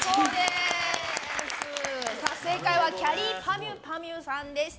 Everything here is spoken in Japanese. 正解はきゃりーぱみゅぱみゅさんでした。